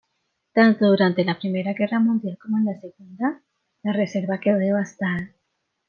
Tanto durante la Primera Guerra Mundial como en la Segunda, la reserva quedó devastada.